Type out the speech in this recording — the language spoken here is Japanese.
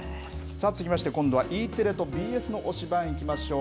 続きまして、今度はＥテレとＢＳの推しバン！いきましょう。